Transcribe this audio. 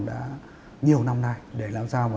đã nhiều năm nay để làm sao